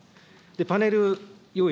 パネル用意